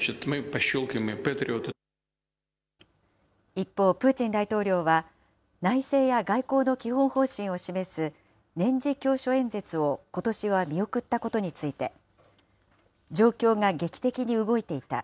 一方、プーチン大統領は、内政や外交の基本方針を示す年次教書演説をことしは見送ったことについて、状況が劇的に動いていた。